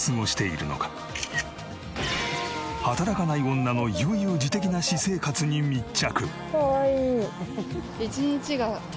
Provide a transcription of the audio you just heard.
働かない女の悠々自適な私生活に密着。